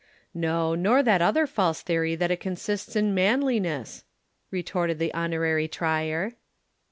"No, nor that other false theory that it consists in manliness," retorted the Honorary Trier.